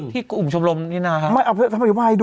ที่อุ่มชมรมนี่นะครับ